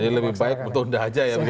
jadi lebih baik menunda aja ya begitu ya